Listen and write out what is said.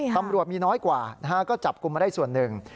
ตำรวจมีน้อยกว่าก็จับกลุ่มมาได้ส่วนหนึ่ง